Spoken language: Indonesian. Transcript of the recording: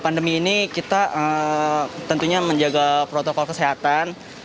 pandemi ini kita tentunya menjaga protokol kesehatan